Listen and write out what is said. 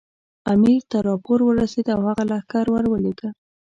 امیر ته راپور ورسېد او هغه لښکر ورولېږه.